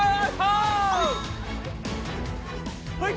はい！